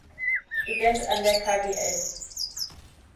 Student an der Kgl.